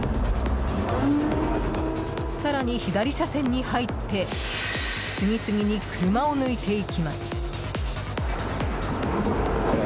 更に、左車線に入って次々に車を抜いていきます。